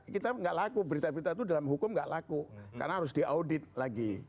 kita nggak laku berita berita itu dalam hukum nggak laku karena harus diaudit lagi